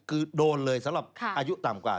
คือโดนเลยสำหรับอายุต่ำกว่า